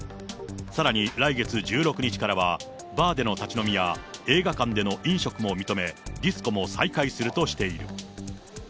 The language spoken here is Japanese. さらに、来月１６日からは、バーでの立ち飲みや映画館での飲食も認め、ディスコも再開するとしている。